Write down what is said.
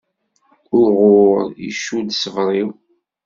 Uɣur icudd ṣṣber-iw.